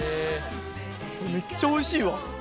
めっちゃおいしいわ。